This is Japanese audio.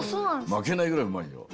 まけないぐらいうまいよ。